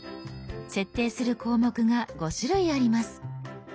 設定する項目が５種類あります。